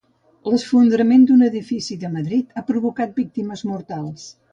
L'esfondrament d'un edifici de Madrid ha provocat víctimes mortals.